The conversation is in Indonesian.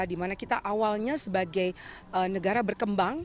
dimana kita awalnya sebagai negara berkembang